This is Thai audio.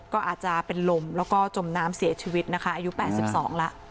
ก็อาจจะเป็นลมแล้วก็จมน้ำเสียชีวิตนะคะอายุแปดสิบสองละ